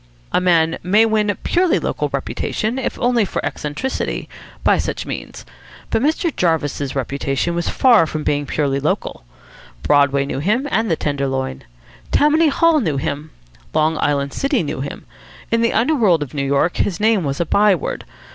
A man may win a purely local reputation, if only for eccentricity, by such means. But Mr. Jarvis's reputation was far from being purely local. Broadway knew him, and the Tenderloin. Tammany Hall knew him. Long Island City knew him. In the underworld of New York his name was a by word.